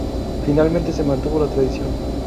Finalmente se mantuvo la tradición.